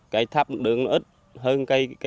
cây thấp đường ít hơn cây cao